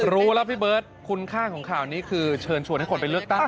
รู้แล้วพี่เบิร์ตคุณค่าของข่าวนี้คือเชิญชวนให้คนไปเลือกตั้ง